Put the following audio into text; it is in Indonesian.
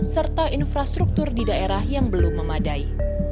serta infrastruktur di daerah yang belum memadai